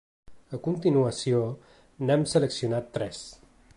A continuació n’hem seleccionat tres.